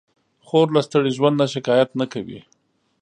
خور له ستړي ژوند نه شکایت نه کوي.